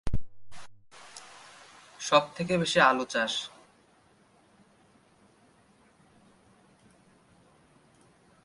সব থেকে বেশি আলু চাষ।